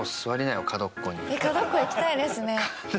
角っこ行きたいですね。